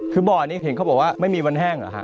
คือบ่อนี้เห็นเขาบอกว่าไม่มีวันแห้งเหรอฮะ